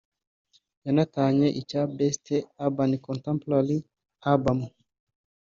yanatahanye icya ‘Best Urban Contemporary Album’